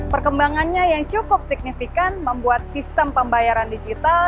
perkembangannya yang cukup signifikan membuat sistem pembayaran digital